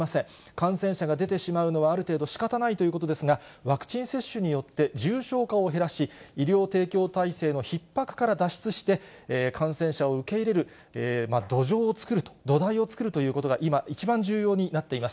感染者が出てしまうのは、ある程度しかたないということですが、ワクチン接種によって、重症化を減らし、医療提供体制のひっ迫から脱出して、感染者を受け入れる土壌を作ると、土台を作るということが今、一番重要になっています。